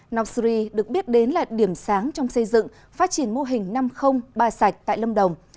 nau sri được biết đến là điểm sáng trong xây dựng phát triển mô hình năm trăm linh ba sạch tại lâm đồng